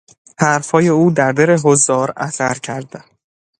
حرفهای او در دل حضار اثر کرد.